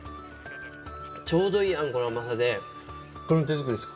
ちょうどいいあんこの甘さで、これも手作りですか？